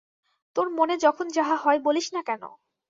তোর মনে যখন যাহা হয় বলিস না কেন?